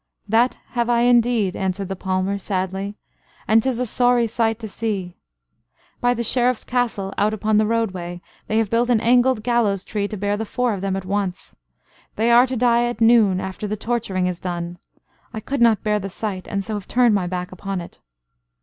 "That have I, indeed," answered the palmer, sadly, "and 'tis a sorry sight to see. By the Sheriff's castle, out upon the roadway, they have built an angled gallows tree to bear the four of them at once. They are to die at noon, after the torturing is done. I could not bear the sight; and so have turned my back upon it."